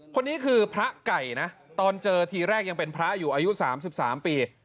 คนนี้คือพระไก่นะตอนเจอทีแรกยังเป็นพระอยู่อายุ๓๓ปี